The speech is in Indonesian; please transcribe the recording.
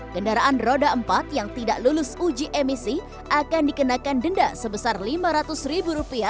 kendaraan roda empat yang tidak lulus ujiemisi akan dikenakan denda sebesar lima ratus ribu dolar